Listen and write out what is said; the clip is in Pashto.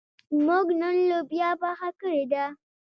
موږ نن لوبیا پخه کړې ده.